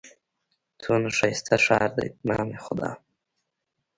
څونه ښايسته ښار دئ! نام خدا!